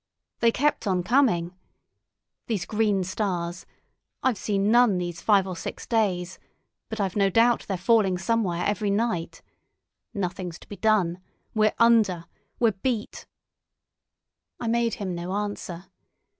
They kept on coming. These green stars—I've seen none these five or six days, but I've no doubt they're falling somewhere every night. Nothing's to be done. We're under! We're beat!" I made him no answer.